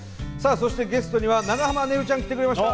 そしてゲストには長濱ねるちゃん来てくれました！